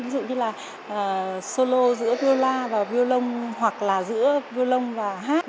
ví dụ như là solo giữa violla và violon hoặc là giữa violon và hát